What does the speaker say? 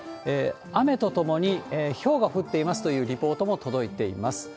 雨とともにひょうが降っていますというリポートも届いています。